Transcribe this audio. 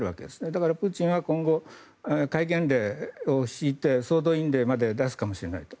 だから、プーチンは今後戒厳令を敷いて総動員令まで出すかもしれないと。